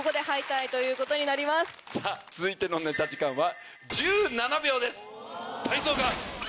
続いてのネタ時間は。